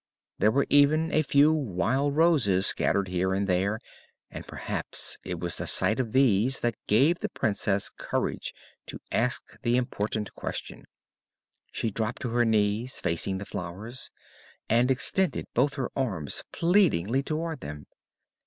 There were even a few wild roses scattered here and there and perhaps it was the sight of these that gave the Princess courage to ask the important question. She dropped to her knees, facing the flowers, and extended both her arms pleadingly toward them.